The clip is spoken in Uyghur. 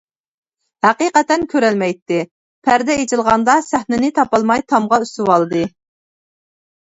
ھەقىقەتەن كۆرەلمەيتتى، پەردە ئېچىلغاندا، سەھنىنى تاپالماي تامغا ئۈسۈۋالدى.